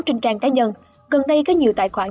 trên trang cá nhân gần đây có nhiều tài khoản